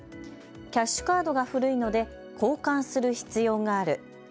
キャッシュカードが古いので交換する必要がある。